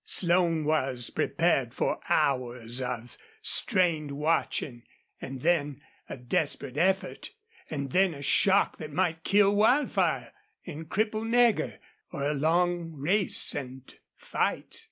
Slone was prepared for hours of strained watching, and then a desperate effort, and then a shock that might kill Wildfire and cripple Nagger, or a long race and fight.